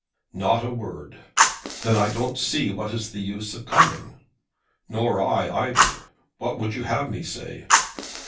"Not a word." "Then I don't see what is the use of coming?" "Nor I, either. What would you have me say?"